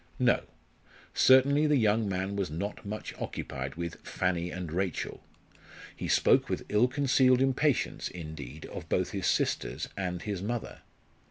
No; certainly the young man was not much occupied with "Fanny and Rachel!" He spoke with ill concealed impatience, indeed, of both his sisters and his mother.